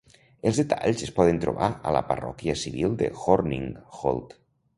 Els detalls es poden trobar a la parròquia civil de Horninghold.